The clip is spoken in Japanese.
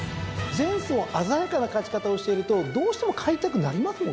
前走鮮やかな勝ち方をしているとどうしても買いたくなりますもんね。